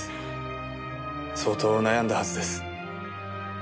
相当悩んだはずです。